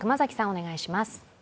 お願いします。